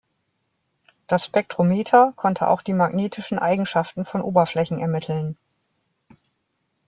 Das Spektrometer konnte auch die magnetischen Eigenschaften von Oberflächen ermitteln.